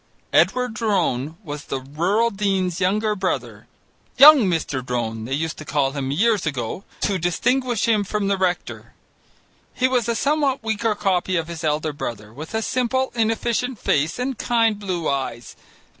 Edward Drone was the Rural Dean's younger brother, young Mr. Drone, they used to call him, years ago, to distinguish him from the rector. He was a somewhat weaker copy of his elder brother, with a simple, inefficient face and kind blue eyes.